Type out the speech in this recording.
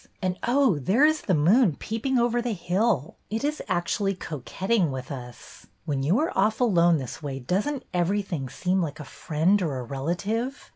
And, oh! there is the moon peeping over the hill. It is actually coquetting with us. When you are off alone this way does n't everything seem like a friend or a relative?